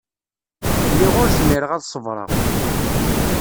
Lliɣ ur zmireɣ ad ṣebreɣ.